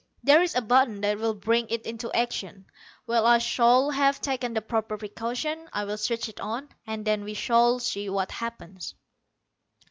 There is a button that will bring it into action. When I shall have taken the proper precautions I will switch it on, and then we shall see what happens."